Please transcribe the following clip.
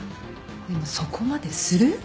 でもそこまでする？